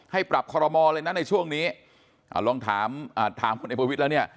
ให้ปรับคอลโรมอร์เลยนะในช่วงนี้ลองถามคุณเอกประวิทธิ์แล้วเนี่ย